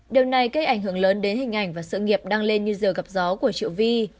điều này kết ảnh hưởng lớn đến hình ảnh và sự nghiệp đăng lên như rờ gặp gió của triệu vi